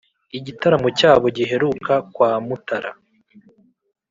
igitaramo cyabo giheruka kwa mutara